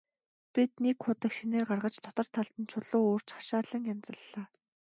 Бид нэг худаг шинээр гаргаж, дотор талд нь чулуу өрж хашаалан янзаллаа.